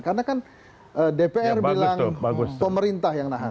karena kan dpr bilang pemerintah yang nahan